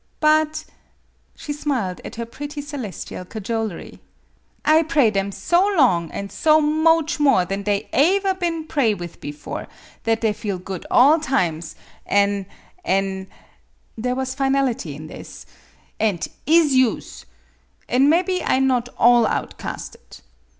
But" she smiled at her pretty celestial cajolery " I pray them so long an' so moach more than they aever been pray with bifore that they feel good all times, an' an' "there was finality in this "an' 7 is use. An' mebby I not all outcasted